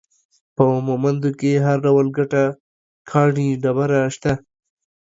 په مومند کې هر ډول ګټه ، کاڼي ، ډبره، شته